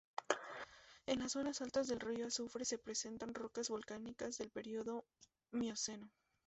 En las zonas altas del río Azufre se presentan rocas volcánicas del periodo mioceno.